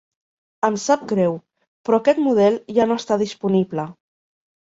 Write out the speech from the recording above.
Em sap greu, però aquest model ja no està disponible.